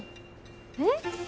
えっ？